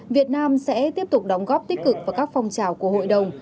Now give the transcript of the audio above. việt nam sẽ tiếp tục đóng góp tích cực vào các phong trào của hội đồng